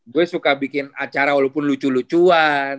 gue suka bikin acara walaupun lucu lucuan